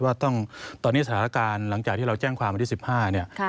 ว่าต้องตอนนี้สถานการณ์หลังจากที่เราแจ้งความวันที่๑๕เนี่ย